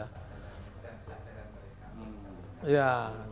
dan kesalahan dari kami